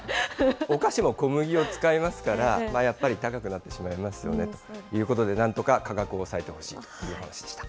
お菓子も小麦を使いますから、やっぱり高くなってしまいますよねということで、なんとか価格を抑えてほしいという話でした。